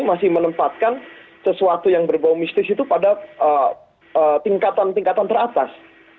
masih menempatkan sesuatu yang berbau mistis itu pada tingkatan tingkatan teratas